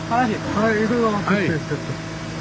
はいいくぞ。